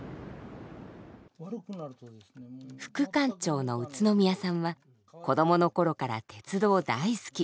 副館長の宇都宮さんは子供の頃から鉄道大好き。